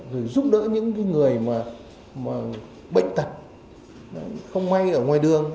rồi giúp đỡ những người mà bệnh tật không may ở ngoài đường